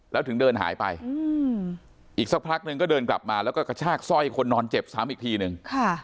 แล้วถึงเดินหายไปอีกสักพักนึงก็เดินกลับมาแล้วก็กระชากสร้อยคนนอนเจ็บซ้ำอีกทีนึง